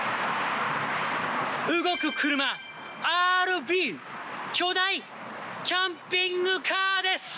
動く車ＲＶ巨大キャンピングカーです！